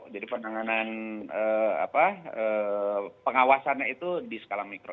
jadi penanganan pengawasannya itu di skala mikro